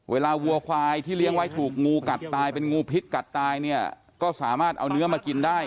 วัวควายที่เลี้ยงไว้ถูกงูกัดตายเป็นงูพิษกัดตายเนี่ยก็สามารถเอาเนื้อมากินได้